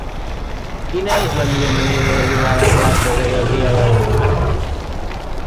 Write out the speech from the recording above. Quina és la millor manera d'arribar a la plaça de Gabriel Alomar?